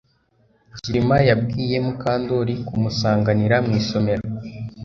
Kirima yabwiye Mukandoli kumusanganira mu isomero